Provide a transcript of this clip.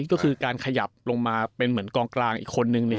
ก็คือการขยับลงมาเป็นเหมือนกองกลางอีกคนนึง